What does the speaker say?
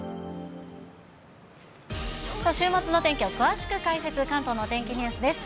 週末のお天気を詳しく解説、関東のお天気ニュースです。